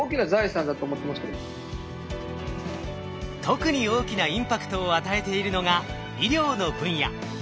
特に大きなインパクトを与えているのが医療の分野。